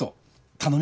頼み？